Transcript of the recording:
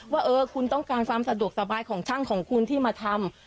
ว่าคุณต้องการความสะดวกสบายของช่างของคุณที่มาทำ